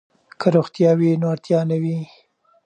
که روغتیا وي نو اړتیا نه وي.